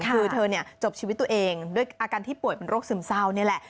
คือเธอจบชีวิตตัวเองด้วยอาการที่ป่วยเป็นโรคซึมเศร้านี่แหละ